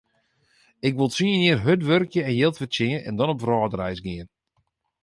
Ik wol tsien jier hurd wurkje en jild fertsjinje en dan op wrâldreis gean.